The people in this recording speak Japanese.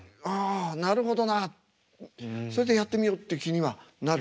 それでやってみようって気にはなる。